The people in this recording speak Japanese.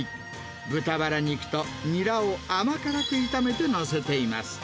豚バラ肉とニラを甘辛く炒めて載せています。